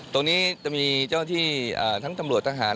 ตรงนี้จะมีเจ้าหน้าที่ทั้งตำรวจทหาร